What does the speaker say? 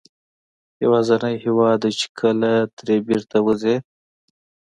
یوازینی هېواد دی چې کله ترې بېرته وځې.